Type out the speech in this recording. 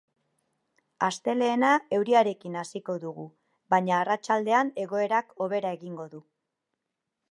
Astelehena euriarekin hasiko dugu, baina arratsaldean egoerak hobera egingo du.